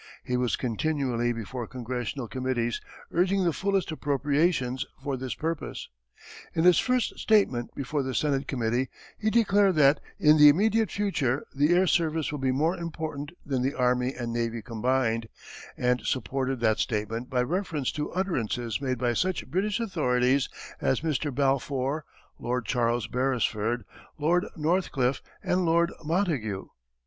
He was continually before Congressional committees urging the fullest appropriations for this purpose. In his first statement before the Senate Committee he declared that "in the immediate future the air service will be more important than the army and navy combined," and supported that statement by reference to utterances made by such British authorities as Mr. Balfour, Lord Charles Beresford, Lord Northcliffe, and Lord Montague.